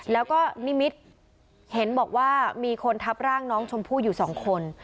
แล้วก็นิมิตเห็นบอกว่ามีคนทับร่างน้องชมพู่อยู่สองคน